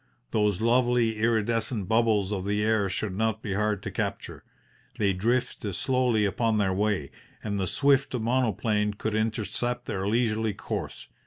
Those lovely iridescent bubbles of the air should not be hard to capture. They drift slowly upon their way, and the swift monoplane could intercept their leisurely course.